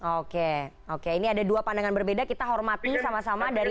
oke oke ini ada dua pandangan berbeda kita hormati sama sama dari